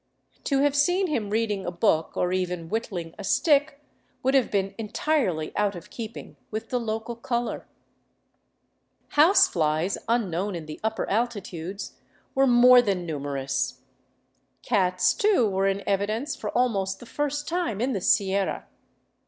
To have seen him 378 THE ROUTE OF THE CONQUISTADORES reading a book, or even whittling a stick, would have been entirely out of keeping with the local color. House flies, unknown in the upper altitudes, were more than numer ous. Cats, too, were in evidence for almost the first time in the Sierra.